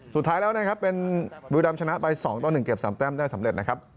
สุดท้ายแล้วเป็นวิวดำชนะไป๒ต้อน๑เก็บ๓แต้มได้สำเร็จนะครับ